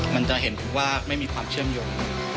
มันจะเห็นว่าไม่มีความเชื่อมโยง